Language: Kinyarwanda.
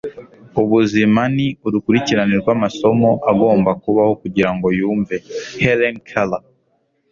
ubuzima ni urukurikirane rw'amasomo agomba kubaho kugira ngo yumve. - helen keller